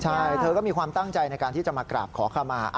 ใช่เธอก็มีความตั้งใจในการที่จะมากราบขอขมา